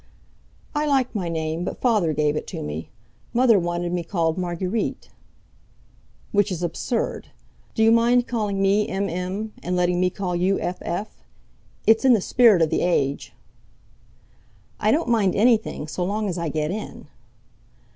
"I like my name, but Father gave it me. Mother wanted me called Marguerite." "Which is absurd. Do you mind calling me M. M. and letting me call you F. F.? It's in the spirit of the age." "I don't mind anything, so long as I get in."